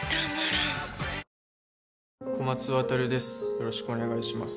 よろしくお願いします